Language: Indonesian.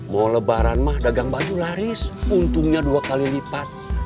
mau lebaran mah dagang baju laris untungnya dua kali lipat